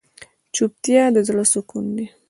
چوپتیا، د زړه سکون دی.